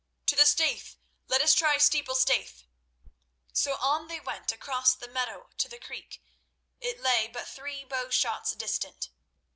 To the Staithe! Let us try Steeple Staithe." So on they went across the meadow to the creek. It lay but three bow shots distant.